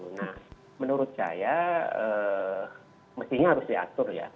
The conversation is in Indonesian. nah menurut saya mestinya harus diatur ya